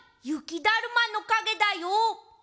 ゆきだるまのかげだよ。